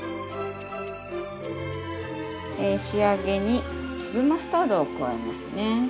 仕上げに粒マスタードを加えますね。